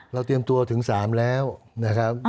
เตรียมตัวถึง๓แล้วนะครับ